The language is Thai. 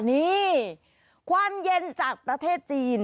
นี่ความเย็นจากประเทศจีน